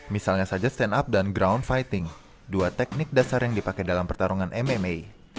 misalnya saja stand up dan ground fighting dua teknik dasar yang dipakai dalam pertarungan mma